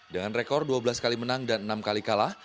dengan rekor dua belas kali menang dan enam kali kalah